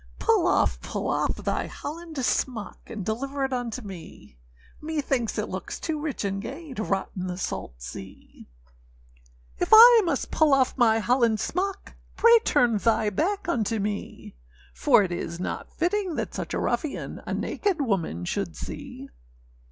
âPull off, pull off thy Holland smock, And deliver it unto me; Methinks it looks too rich and gay, To rot in the salt sea.â âIf I must pull off my Holland smock, Pray turn thy back unto me, For it is not fitting that such a ruffian A naked woman should see.